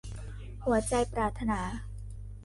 หัวใจปรารถนา